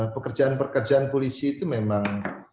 pekerjaan pekerjaan polisi itu memang